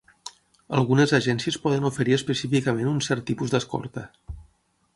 Algunes agències poden oferir específicament un cert tipus d'escorta.